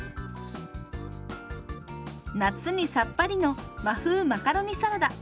夏にさっぱりの「和風マカロニサラダ」。